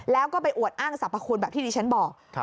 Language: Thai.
แล้วก็ไปอวดอ้างสรรพคุณแบบที่ดิฉันบอก